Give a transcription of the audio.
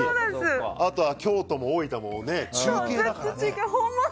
あとは京都も大分も中継だから。